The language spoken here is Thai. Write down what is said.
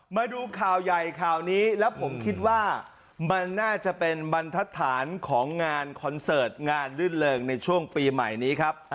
มาดูข่าวใหญ่ข่าวนี้แล้วผมคิดว่ามันน่าจะเป็นบรรทัศนของงานคอนเสิร์ตงานรื่นเริงในช่วงปีใหม่นี้ครับ